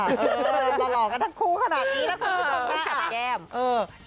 เราหลอกกันทั้งคู่ขนาดนี้นะคุณผู้ชมค่ะ